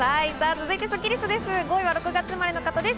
続いてスッキりすです。